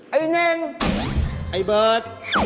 ไอ้เน่งไอ้เบิร์ต